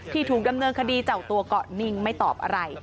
ถูกดำเนินคดีเจ้าตัวก็นิ่งไม่ตอบอะไร